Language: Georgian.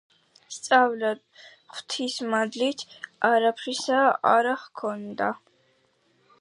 სწავლა, ღვთის მადლით, არაფრისა არა ჰქონდა.